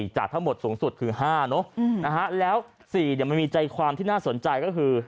จากทั้งหมดสูงสุดคือ๕เนอะแล้ว๔มันมีใจความที่น่าสนใจก็คือ